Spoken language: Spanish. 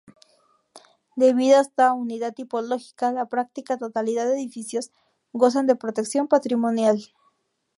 Debido a esta unidad tipológica, la práctica totalidad de edificios gozan de protección patrimonial.